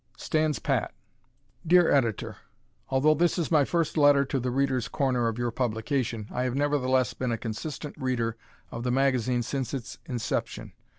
Stands Pat Dear Editor: Although this is my first letter to "The Readers' Corner" of your publication, I have nevertheless been a consistent Reader of the magazine since its inception.